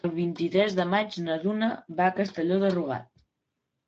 El vint-i-tres de maig na Duna va a Castelló de Rugat.